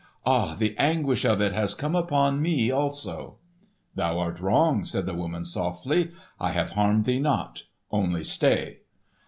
Ah, the anguish of it has come upon me also!" "Thou art wrong," said the woman softly. "I have harmed thee not. Only stay!"